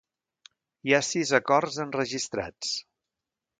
Hi ha sis acords enregistrats.